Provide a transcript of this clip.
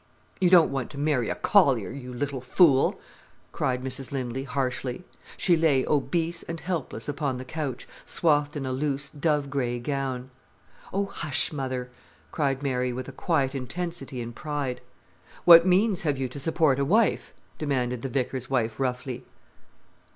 "You don't want to marry a collier, you little fool," cried Mrs Lindley harshly. She lay obese and helpless upon the couch, swathed in a loose, dove grey gown. "Oh, hush, mother," cried Mary, with quiet intensity and pride. "What means have you to support a wife?" demanded the vicar's wife roughly.